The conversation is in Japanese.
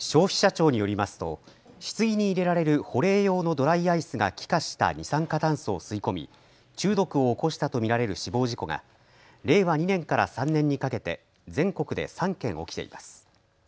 消費者庁によりますとひつぎに入れられる保冷用のドライアイスが気化した二酸化炭素を吸い込み中毒を起こしたと見られる死亡事故が令和２年から３年にかけて全国で３件起きています。